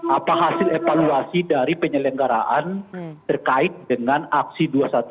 apa hasil evaluasi dari penyelenggaraan terkait dengan aksi dua ribu satu ratus dua puluh satu